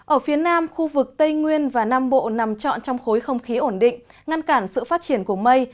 ở phía nam khu vực tây nguyên và nam bộ nằm trọn trong khối không khí ổn định ngăn cản sự phát triển của mây